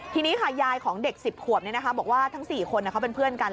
ทีนี้ค่ะยายของเด็ก๑๐ขวบบอกว่าทั้ง๔คนเขาเป็นเพื่อนกัน